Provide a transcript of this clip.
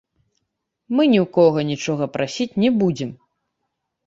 Мы ні ў кога нічога прасіць не будзем.